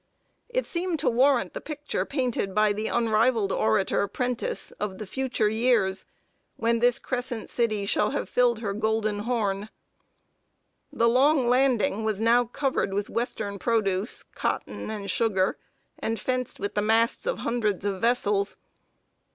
It seemed to warrant the picture painted by the unrivaled orator, Prentiss, of the future years, "when this Crescent City shall have filled her golden horn." The long landing was now covered with western produce, cotton, and sugar, and fenced with the masts of hundreds of vessels.